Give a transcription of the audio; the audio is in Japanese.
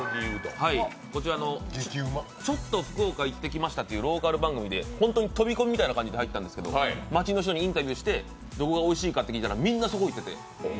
こちら、「ちょっと福岡行ってきました」というローカル番組で本当に飛び込みみたいな感じで入ったんですけど、街の人にどこがおいしいかって聞いたら、みんなそこを言ってて。